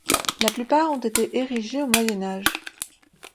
La plupart ont été érigés au Moyen Âge.